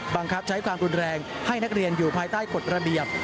บังคับใช้ความรุนแรงให้นักเรียนอยู่ภายใต้กฎระเบียบ